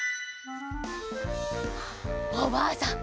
おばあさん